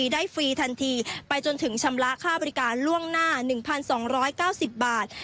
ฟรีทันทีไปจนถึงชำระค่าบริการล่วงหน้า๑๒๙๐บาท